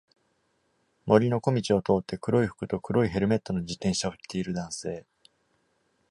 森の小道を通って黒い服と黒いヘルメットの自転車を着ている男性。